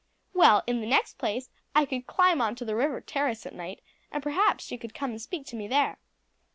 "Well, in the next place, I could climb on to the river terrace at night, and perhaps she could come and speak to me there."